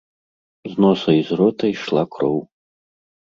З носа і з рота ішла кроў.